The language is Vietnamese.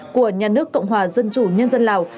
của nhà nước cộng hòa dân chủ nhân dân lào